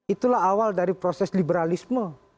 itulah awal dari proses liberalisme